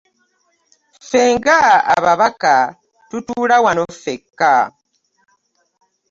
Ffe nga ababaka tutuula wano ffekka.